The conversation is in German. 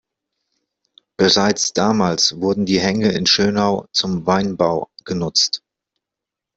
Bereits damals wurden die Hänge in Schönau zum Weinbau genutzt.